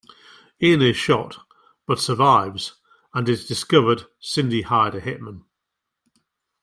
Ian is shot, but survives and is discovered Cindy hired a hitman.